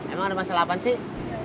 emang ada masalah apa sih